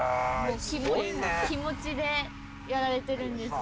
すごいね気持ちでやられてるんですね